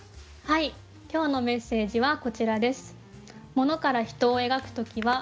今日のメッセージはこちらです。